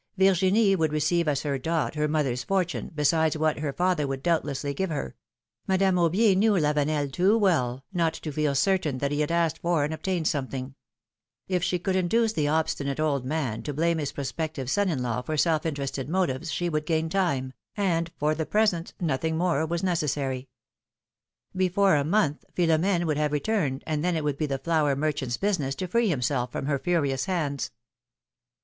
Virgin ie would receive as her dot her mother's fortune, besides what her father would doubtlessly give her : Madame Aubier knew Lavenel too well, not to feel certain he had asked for and obtained something: if she could induce the obstinate old man to blame his prospective son in law for self interested motives she would gain time, and for the present nothing more was necessary. Before a month Philoni^ne would have returned, and then it would be the flour merchant's business to free himself from her furious hands.